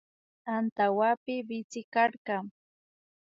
Antawpi sikarka